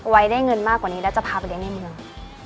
ไว้ได้เงินมากกว่านี้แล้วจะพาไปเลี้ยงในเมือง